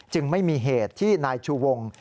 ไม่มีเหตุที่นายชูวง